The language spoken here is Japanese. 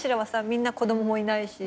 みんな子供もいないし。